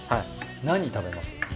何食べます？